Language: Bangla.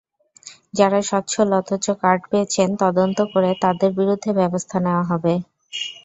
যাঁরা সচ্ছল অথচ কার্ড পেয়েছেন, তদন্ত করে তাঁদের বিরুদ্ধে ব্যবস্থা নেওয়া হবে।